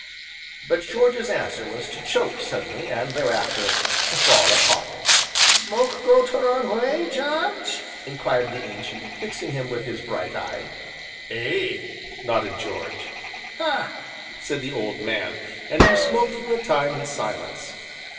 But George's answer was to choke suddenly, and, thereafter, to fall a coughing. "Smoke go t' wrong way, Jarge?" inquired the Ancient, fixing him with his bright eye. "Ay," nodded George. "Ha!" said the old man, and we smoked for a time in silence.